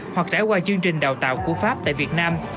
hoặc trải qua chương trình đào tạo của pháp tại việt nam